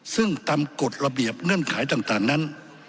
ซึ่งตามกฎระเบียบเงื่อนไขต่างนั้น